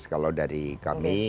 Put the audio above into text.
kalau dari kami